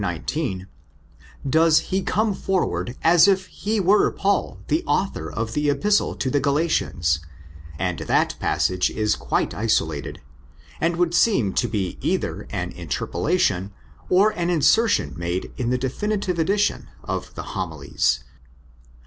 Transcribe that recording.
19) does he come forward as if he were Paul, the author of the Epistle to the Galatians; and that passage is quite isolated, and would seem to be either an inter polation or an insertion made in the definitive edition of the Homilies.